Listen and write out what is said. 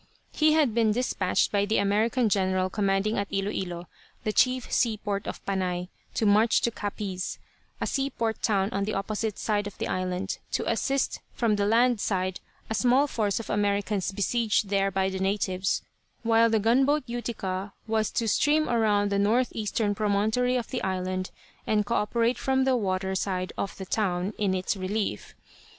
He had been dispatched by the American general commanding at Ilo Ilo, the chief seaport of Panay, to march to Capiz, a seaport town on the opposite side of the island, to assist from the land side a small force of Americans besieged there by the natives, while the gunboat Utica was to steam around the northeastern promontory of the island and cooperate from the water side of the town, in its relief.